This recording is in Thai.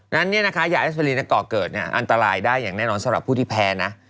นั้นเนี่ยนะคะยาแอสไพรินก่อเกิดเนี่ยอันตรายได้อย่างแน่นอนสำหรับผู้ที่แพ้นะ